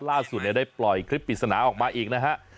ล่าสุดได้ปล่อยคลิปปริศนาออกมาอีกนะฮะ